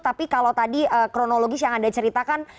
tapi kalau tadi kronologis yang anda ceritakan